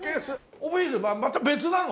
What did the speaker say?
オフィスはまた別なの？